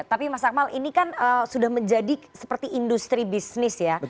tapi mas akmal ini kan sudah menjadi seperti industri bisnis ya